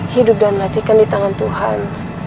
hidup dan matikan di tangan tuhan